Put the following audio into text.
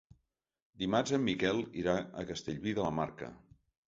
Dimarts en Miquel irà a Castellví de la Marca.